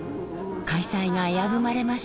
開催が危ぶまれましたが。